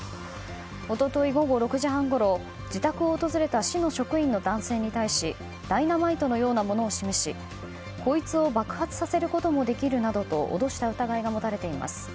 一昨日午後６時半ごろ自宅を訪れた市の職員の男性に対しダイナマイトのようなものを示しこいつを爆発させることもできるなどと脅した疑いが持たれています。